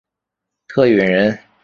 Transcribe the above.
许允人。